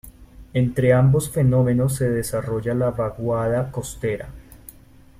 Entre ambos fenómenos se desarrolla la vaguada costera.